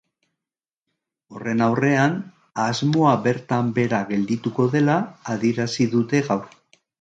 Horren aurrean, asmoa bertan behera geldituko dela adierazi dute gaur.